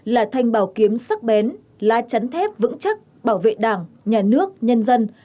là thanh bảo kiếm sắc bén lá chắn thép vững chắc bảo vệ đảng nhà nước nhân dân